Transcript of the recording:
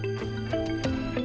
baik pak terima kasih